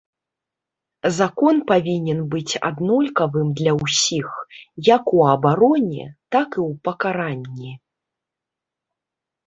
Закон павінен быць аднолькавым для ўсіх, як у абароне, так і ў пакаранні.